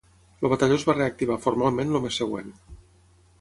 El batalló es va reactivar formalment el mes següent.